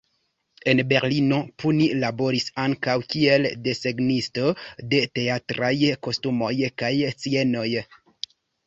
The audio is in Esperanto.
En Berlino, Puni laboris ankaŭ kiel desegnisto de teatraj kostumoj kaj scenejoj.